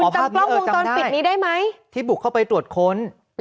อ๋อภาพนี้เออจำได้ที่บุกเข้าไปตรวจค้นคุณจำกล้องวงตอนปิดนี้ได้ไหม